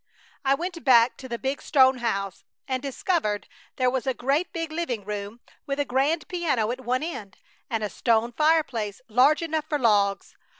I went back to the big stone house and discovered there was a great big living room with a grand piano at one end, and a stone fireplace large enough for logs.